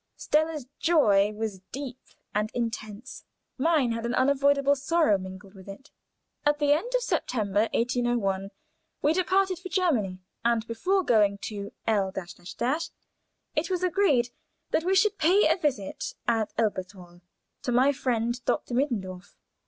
Stella's joy was deep and intense mine had an unavoidable sorrow mingled with it. At the end of September, 18 , we departed for Germany, and before going to L it was agreed that we should pay a visit at Elberthal, to my friend Dr. Mittendorf.